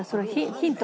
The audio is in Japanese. ヒント？